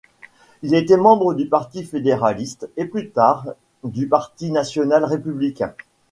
Il était membre du Parti fédéraliste et plus tard du Parti national-républicain.